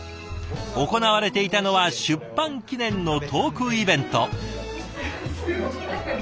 行われていたのは出版記念のトークイベント。